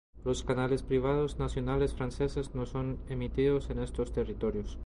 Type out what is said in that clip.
Los canales privados nacionales franceses no son emitidos en estos territorios.